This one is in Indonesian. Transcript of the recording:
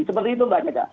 seperti itu mbak caca